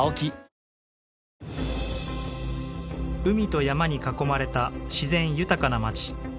海と山に囲まれた自然豊かな街